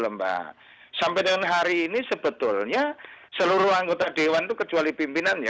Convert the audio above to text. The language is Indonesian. nah sampai dengan hari ini sebetulnya seluruh anggota dewan itu kecuali pimpinan ya